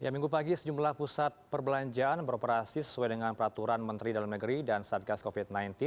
minggu pagi sejumlah pusat perbelanjaan beroperasi sesuai dengan peraturan menteri dalam negeri dan satgas covid sembilan belas